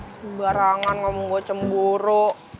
sembarangan ngomong gue cemburu